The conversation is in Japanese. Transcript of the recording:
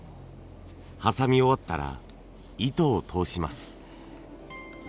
挟み終わったら糸を通します。